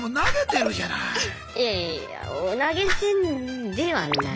いやいやいや投げ銭ではない。